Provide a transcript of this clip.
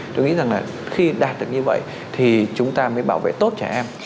tôi nghĩ rằng là khi đạt được như vậy thì chúng ta mới bảo vệ tốt trẻ em